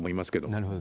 なるほど。